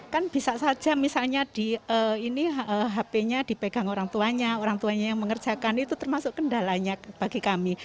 kan bisa saja misalnya di ini hp nya dipegang orang tuanya orang tuanya yang mengerjakan itu termasuk kendalanya bagi kami